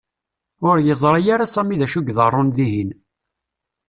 Ur yeẓri ara Sami d acu i iḍerrun dihin.